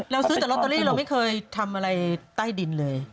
ซื้อแต่ลอตเตอรี่เราไม่เคยทำอะไรใต้ดินเลย